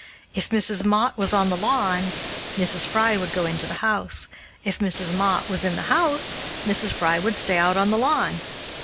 If Mrs. Mott was on the lawn, Mrs. Fry would go into the house; if Mrs. Mott was in the house, Mrs. Fry would stay out on the lawn.